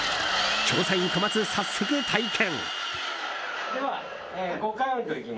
調査員コマツ、早速体験。